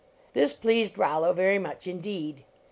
This pleased Rollo very much indeed.